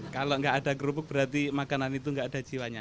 kalau nggak ada kerupuk berarti makanan itu nggak ada jiwanya